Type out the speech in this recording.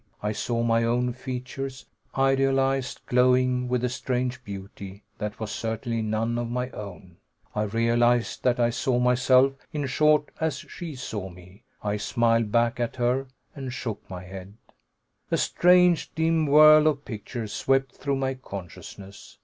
I saw my own features, idealized, glowing with a strange beauty that was certainly none of my own. I realized that I saw myself, in short, as she saw me. I smiled back at her, and shook my head. A strange, dim whirl of pictures swept through my consciousness.